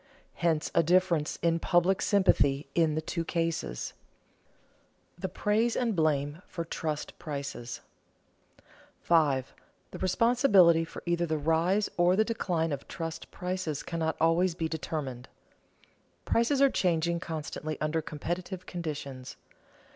Hence a difference in public sympathy in the two cases. [Sidenote: The praise and blame for trust prices] 5. The responsibility for either the rise or the decline of trust prices cannot always be determined. Prices are changing constantly under competitive conditions.